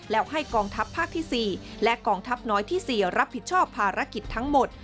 แล้วให้กองทัพภาคที่๔และกองทัพน้อยที่๔รับผิดชอบภารกิจทั้งหมด